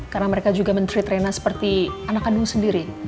karena mereka juga men treat rena seperti anak anak sendiri